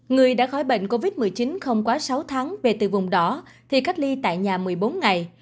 người đã khỏi bệnh covid một mươi chín không quá sáu tháng về từ vùng đỏ thì cách ly tại nhà một mươi bốn ngày